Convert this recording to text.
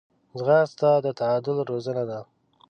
ځغاسته د تعادل روزنه ده